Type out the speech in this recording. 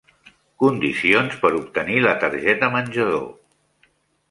Condicions per obtenir la targeta menjador.